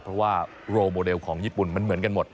เพราะว่าโรโมเดลของญี่ปุ่นมันเหมือนกันหมด